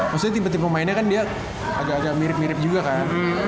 maksudnya tim tim pemainnya kan dia agak agak mirip mirip juga kan